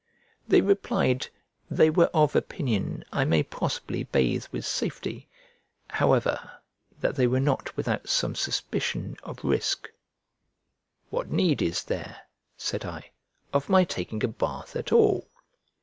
They replied they were of opinion I may possibly bathe with safety, however that they were not without some suspicion of risk. "What need is there," said I, "of my taking a bath at all?"